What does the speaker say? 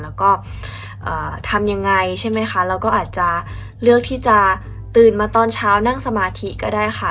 แล้วก็ทำยังไงใช่ไหมคะเราก็อาจจะเลือกที่จะตื่นมาตอนเช้านั่งสมาธิก็ได้ค่ะ